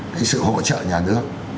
cái sự hỗ trợ nhà nước